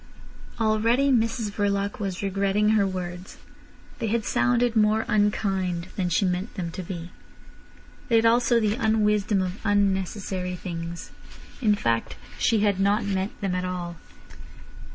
Already Mrs Verloc was regretting her words. They had sounded more unkind than she meant them to be. They had also the unwisdom of unnecessary things. In fact, she had not meant them at all.